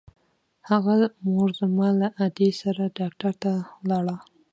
د هغه مور زما له ادې سره ډاکتر ته ولاړه.